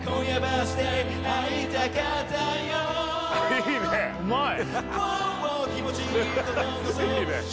いいねうまい！